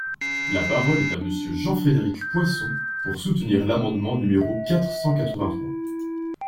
La parole est à Monsieur Jean-Frédéric Poisson, pour soutenir l’amendement numéro quatre cent quatre-vingt-trois.